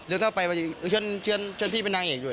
หรือถ้าไปเชิญพี่เป็นนางเอกด้วย